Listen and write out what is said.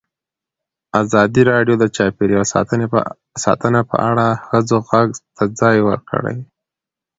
ازادي راډیو د چاپیریال ساتنه په اړه د ښځو غږ ته ځای ورکړی.